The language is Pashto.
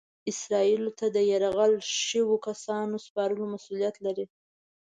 اسرائیلو ته د یرغمل شویو کسانو د سپارلو مسؤلیت لري.